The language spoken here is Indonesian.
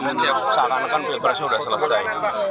seakan akan bioprasi sudah selesai